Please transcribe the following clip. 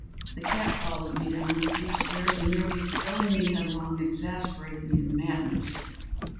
The cat followed me down the steep stairs, and, nearly throwing me headlong, exasperated me to madness.